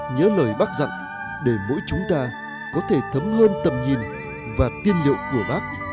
nhớ lời bác dặn để mỗi chúng ta có thể thấm hơn tầm nhìn và tiên liệu của bác